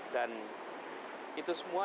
dan itu semua